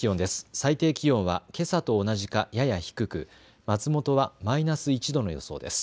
最低気温はけさと同じかやや低く松本はマイナス１度の予想です。